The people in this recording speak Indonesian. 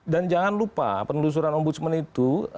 dan jangan lupa penelusuran ombudsman itu